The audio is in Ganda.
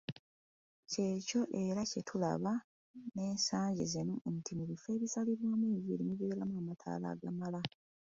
Ky’ekyo era kye tulaba n’ensangi zino nti mu bifo ebisalirwamu enviiri mubeeramu amataala agamala.